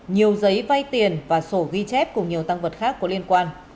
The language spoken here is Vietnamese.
nhiều giấy vay tiền và sổ ghi chép cùng nhiều tăng vật khác có liên quan